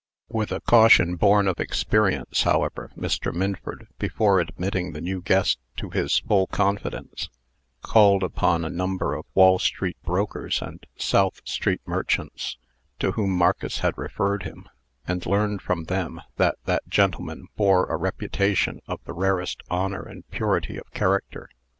With a caution born of experience, however, Mr. Minford, before admitting the new guest to his full confidence, called upon a number of Wall street brokers and South street merchants, to whom Marcus had referred him, and learned from them that that gentleman bore a reputation of the rarest honor and purity of character.